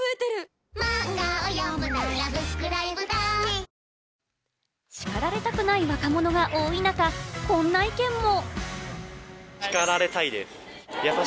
ニトリしかられたくない若者が多い中、こんな意見も。